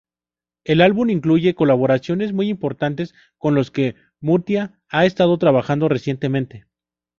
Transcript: El álbum incluye colaboraciones muy importantes, con los que Mutya ha estado trabajando recientemente.